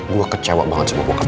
gue kecewa banget sama bokap gue